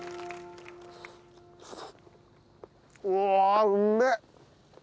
うわうめっ！